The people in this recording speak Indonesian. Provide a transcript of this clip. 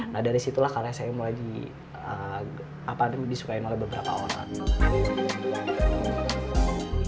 nah dari situlah karya saya mulai disukain oleh beberapa orang